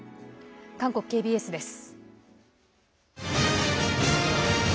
韓国ＫＢＳです。